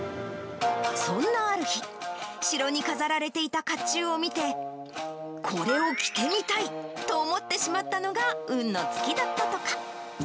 そんなある日、城に飾られていたかっちゅうを見て、これを着てみたいと思ってしまったのが運のつきだったとか。